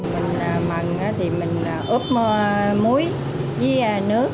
mình mần thì mình ướp muối với nước